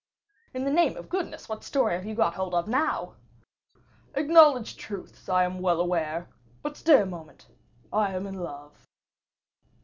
"In the name of goodness, what story have you got hold of now?" "Acknowledged truths, I am well aware. But stay a moment; I am in love."